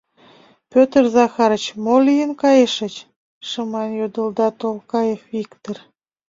— Пӧтыр Захарыч, мо лийын кайышыч? — шыман йодылда Тулкаев Виктыр.